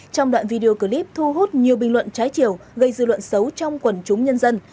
trong đoạn video clip thu hút nhiều bình luận trái chiều gây dư luận xấu trong quần chúng nhân dân